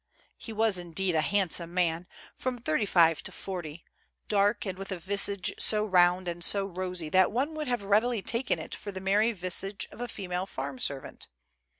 He was, indeed, a handsome man, from thirty five to forty, dark, and with a visage so round and so rosy that one would have readily taken it for the merry visage of a female farm servant.